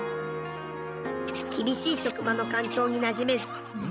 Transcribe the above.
厳しい職場の環境になじめず。